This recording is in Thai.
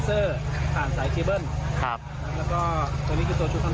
ชุฟันโฟนก็จะมีหูฟัง